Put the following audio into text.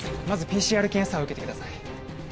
まずＰＣＲ検査を受けてください。